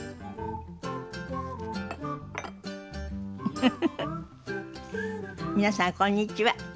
フフフフ皆さんこんにちは。